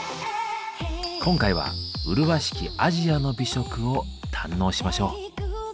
今回は麗しき「アジアの美食」を堪能しましょう。